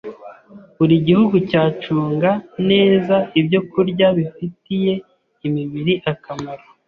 buri gihugu cyacunga neza ibyokurya bifitiye imibiri akamaro